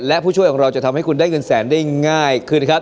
และผู้ช่วยของเราจะทำให้คุณได้เงินแสนได้ง่ายขึ้นนะครับ